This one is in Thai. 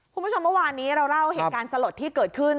คุณผู้ชมเมื่อวานนี้เราเล่าเหตุการณ์สลดที่เกิดขึ้น